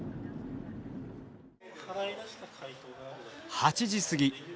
８時過ぎ。